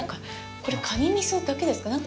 これ、カニ味噌だけですか。